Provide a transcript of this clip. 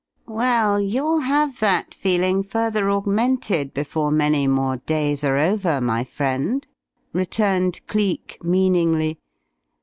"Well, you'll have that feeling further augmented before many more days are over, my friend," returned Cleek, meaningly.